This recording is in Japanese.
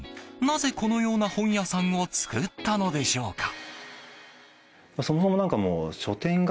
なぜ、このような本屋さんを作ったのでしょうか？